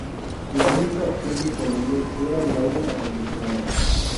La única opción disponible era el aire acondicionado.